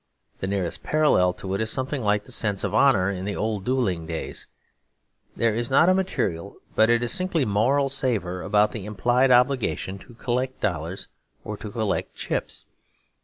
The nearest parallel to it is something like the sense of honour in the old duelling days. There is not a material but a distinctly moral savour about the implied obligation to collect dollars or to collect chips.